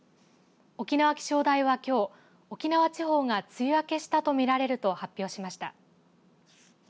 沖縄気象台は、きょう沖縄地方が梅雨明けしたと見られると発表しました。